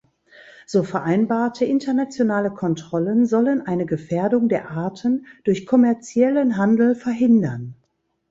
So vereinbarte internationale Kontrollen sollen eine Gefährdung der Arten durch kommerziellen Handel verhindern.